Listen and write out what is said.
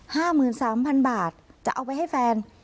หมื่นสามพันบาทจะเอาไปให้แฟน